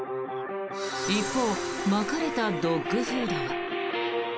一方、まかれたドッグフードは？